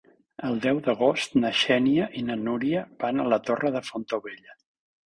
El deu d'agost na Xènia i na Núria van a la Torre de Fontaubella.